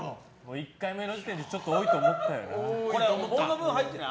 １回目の時点でちょっと多いと思ったよ。